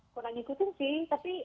kurang diikutin sih tapi